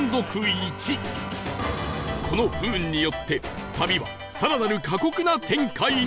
この不運によって旅は更なる過酷な展開に！